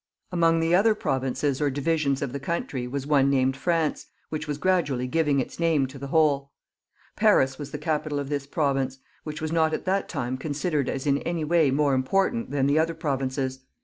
Among the other provinces or divisions of the country was one named France, which was gradually giving its name to the whole. Paris was the capital of this province, which was not at that time considered as in any way more important than the other provinces.